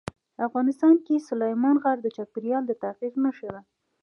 افغانستان کې سلیمان غر د چاپېریال د تغیر نښه ده.